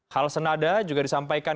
hal senada juga disampaikan